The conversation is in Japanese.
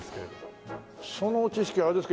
その知識はあれですか？